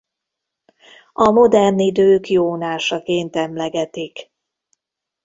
A modern idők Jónásaként emlegetik.